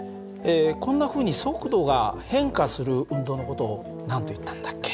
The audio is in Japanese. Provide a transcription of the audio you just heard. こんなふうに速度が変化する運動の事を何といったんだっけ？